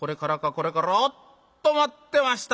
これおっと待ってました